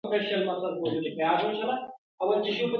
غافل له خپله حقه او غلام مې نه پریږدي.